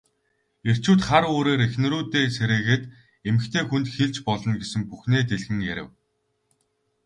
Эрчүүд хар үүрээр эхнэрүүдээ сэрээгээд эмэгтэй хүнд хэлж болно гэсэн бүхнээ дэлгэн ярив.